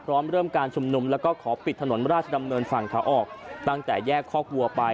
เริ่มการชุมนุมแล้วก็ขอปิดถนนราชดำเนินฝั่งขาออกตั้งแต่แยกคอกวัวไป